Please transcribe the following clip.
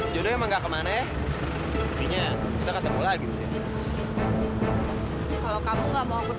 jangan jangan ada hubungannya sama mita